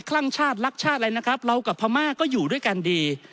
ลั่งชาติรักชาติอะไรนะครับเรากับพม่าก็อยู่ด้วยกันดี